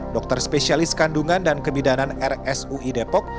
dokter spesialis kandungan dan kebidanan rsui depok